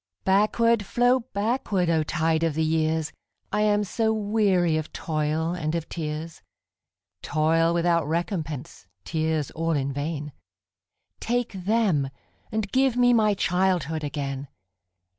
Backward, flow backward, O tide of the years!I am so weary of toil and of tears,—Toil without recompense, tears all in vain,—Take them, and give me my childhood again!